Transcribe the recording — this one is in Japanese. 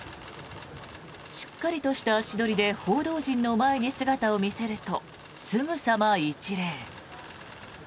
しっかりとした足取りで報道陣の前に姿を見せるとすぐさま、一礼。